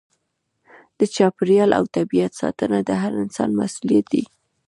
د چاپیریال او طبیعت ساتنه د هر انسان مسؤلیت دی.